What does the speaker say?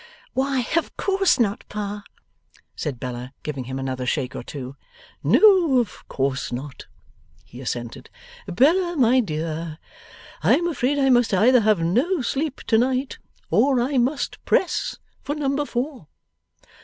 'Why, of course not, Pa,' said Bella, giving him another shake or two. 'No, of course not,' he assented. 'Bella, my dear, I am afraid I must either have no sleep to night, or I must press for number four.